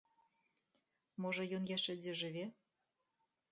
Можа, ён яшчэ дзе жыве?